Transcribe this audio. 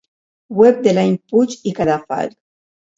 Web de l'Any Puig i Cadafalch.